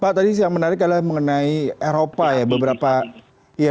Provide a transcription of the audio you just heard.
pak tadi yang menarik adalah mengenai eropa ya beberapa